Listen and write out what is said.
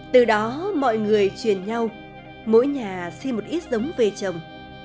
từ đó mọi người truyền nhau mỗi nhà xin một ít giống về trồng